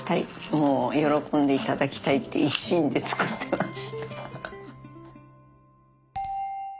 もう喜んでいただきたいっていう一心で作ってます。